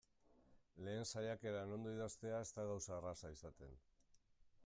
Lehen saiakeran ondo idaztea ez da gauza erraza izaten.